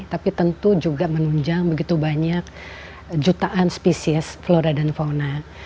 tapi tentu juga menunjang begitu banyak jutaan spesies flora dan fauna